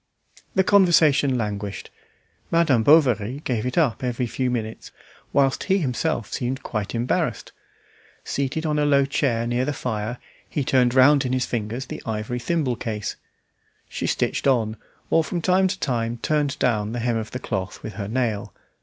The conversation languished; Madame Bovary gave it up every few minutes, whilst he himself seemed quite embarrassed. Seated on a low chair near the fire, he turned round in his fingers the ivory thimble case. She stitched on, or from time to time turned down the hem of the cloth with her nail.